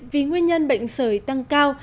vì nguyên nhân bệnh sởi tăng cao